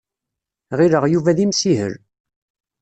Ɣileɣ Yuba d imsihel.